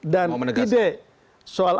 dan tidek soal